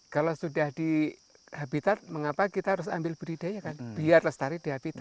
kalau sudah di habitat mengapa kita harus ambil budidaya kan biar lestari di habitat